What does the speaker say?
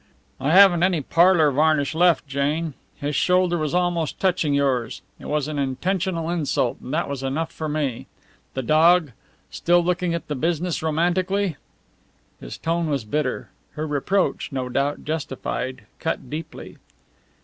"I haven't any parlour varnish left, Jane. His shoulder was almost touching yours. It was an intentional insult, and that was enough for me. The dog! Still looking at the business romantically?" His tone was bitter. Her reproach, no doubt justified, cut deeply.